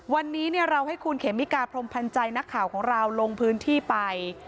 วันนี้เราให้คุณเขมิกาพรมพันธ์ใจนักข่าวของเราลงพื้นที่ไป